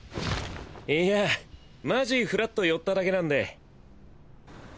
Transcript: いやマジフラッと寄っただけなんで。